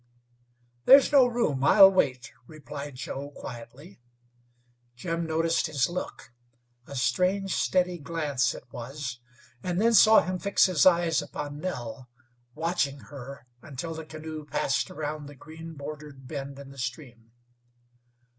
"There's no room; I'll wait," replied Joe, quietly. Jim noted his look a strange, steady glance it was and then saw him fix his eyes upon Nell, watching her until the canoe passed around the green bordered bend in the stream.